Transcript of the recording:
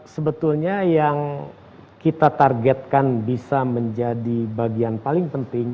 sebetulnya yang kita targetkan bisa menjadi bagian paling penting